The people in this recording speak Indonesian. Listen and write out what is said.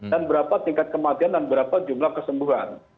dan berapa tingkat kematian dan berapa jumlah kesembuhan